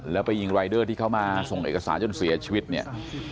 แล้วไปยิงรายเดอร์ที่เขามาส่งเอกสารจนเสียชีวิตเนี่ย